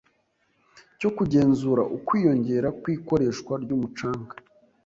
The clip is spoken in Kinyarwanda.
cyo kugenzura ukwiyongera kw'ikoreshwa ry'umucanga.